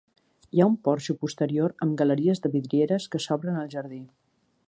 Hi ha un porxo posterior amb galeries de vidrieres que s'obren al jardí.